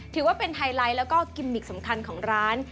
ถือว่าเป็นไฮไลท์แล้วก็กิมมิกสำคัญของร้าน